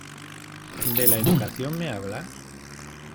¿De la educación me hablas?